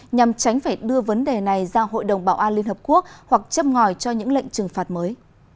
nhằm tránh phải đưa vấn đề này ra hội đồng bảo an liên hợp quốc hoặc chấp ngòi cho những lệnh trừng phạt mới